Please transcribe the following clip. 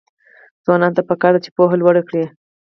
ځوانانو ته پکار ده چې، پوهه لوړه کړي.